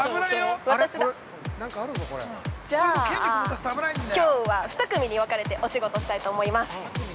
じゃあ、きょうは２組に分かれてお仕事したいと思います。